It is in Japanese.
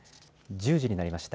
１０時になりました。